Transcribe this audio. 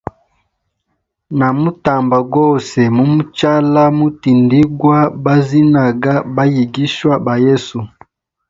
Na mutamba gose mumuchala mutindigwa mazinaga bayigishwa ba yesu.